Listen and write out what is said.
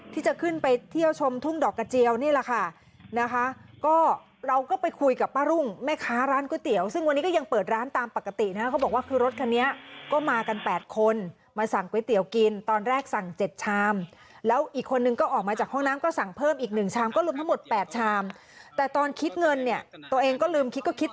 ที่จะขึ้นไปเที่ยวชมทุ่งดอกกระเจียวนี่แหละค่ะนะคะก็เราก็ไปคุยกับป้ารุ่งแม่ค้าร้านก๋วยเตี๋ยวซึ่งวันนี้ก็ยังเปิดร้านตามปกตินะเขาบอกว่าคือรถคันนี้ก็มากัน๘คนมาสั่งก๋วยเตี๋ยวกินตอนแรกสั่ง๗ชามแล้วอีกคนนึงก็ออกมาจากห้องน้ำก็สั่งเพิ่มอีกหนึ่งชามก็ลืมทั้งหมด๘ชามแต่ตอนคิดเงินเนี่ยตัวเองก็ลืมคิดก็คิด